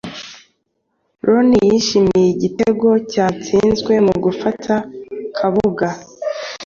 Loni yishimiye igitego cyatsinzwe mu gufata Kabuga